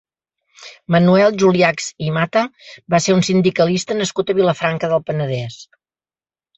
Manuel Juliachs i Mata va ser un sindicalista nascut a Vilafranca del Penedès.